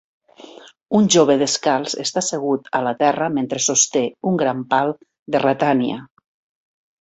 Un jove descalç està assegut a la terra mentre sosté un gran pal de ratània.